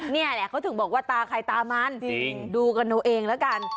นี่แหละเขาถึงบอกว่าตาใครตามันดูกันเอาเองแล้วกัน